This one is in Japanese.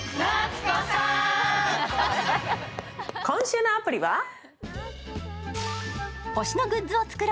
今週のアプリは？